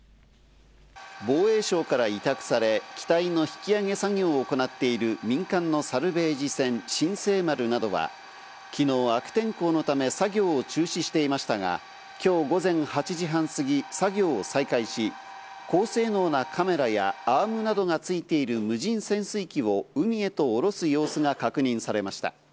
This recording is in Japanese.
防衛省から委託され、機体の引き揚げ作業を行っている民間のサルベージ船「新世丸」などは、昨日、悪天候のため、作業を中止していましたが、今日午前８時半過ぎ、作業を再開し、高性能なカメラや、アームなどがついている無人潜水機を海へとおろす様子が確認されました。